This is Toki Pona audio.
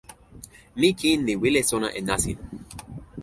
mi kin li wile sona e nasin.